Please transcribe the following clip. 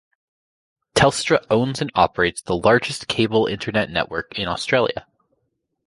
Telstra owns and operates the largest cable internet network in Australia.